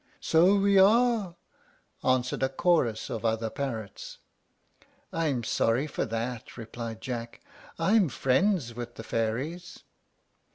"So we are," answered a chorus of other parrots. "I'm sorry for that," replied Jack. "I'm friends with the fairies."